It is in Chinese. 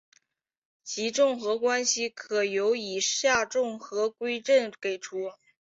其重合关系可由以下重合矩阵给出。